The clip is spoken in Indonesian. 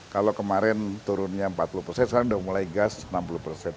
kalau kemarin turunnya empat puluh persen sekarang sudah mulai gas enam puluh persen